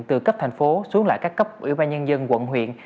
từ cấp thành phố xuống lại các cấp quỹ ban dân dân quận huyện